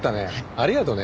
ありがとうね。